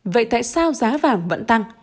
vậy tại sao giá vàng vẫn tăng